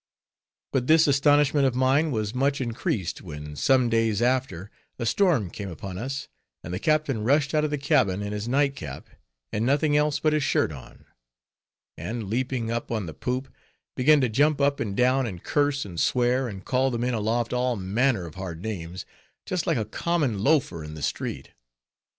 But this astonishment of mine was much increased, when some days after, a storm came upon us, and the captain rushed out of the cabin in his nightcap, and nothing else but his shirt on; and leaping up on the poop, began to jump up and down, and curse and swear, and call the men aloft all manner of hard names, just like a common loafer in the street.